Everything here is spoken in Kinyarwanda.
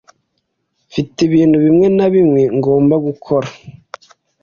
Mfite ibintu bimwe na bimwe ngomba gukora.